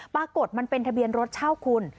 ปรากฏมันเป็นทะเบียนรถเช่าคุณ